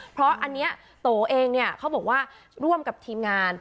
เพราะอันนี้โตเองเนี่ยเขาบอกว่าร่วมกับทีมงาน